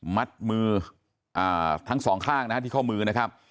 มัดมือทั้งสองข้างนะฮะที่ข้อมือนะครับ